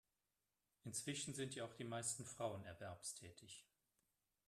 Inzwischen sind ja auch die meisten Frauen erwerbstätig.